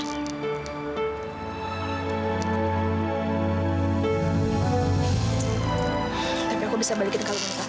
tapi aku bisa balikin kalau mau apa apa